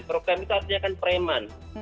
program itu artinya kan preman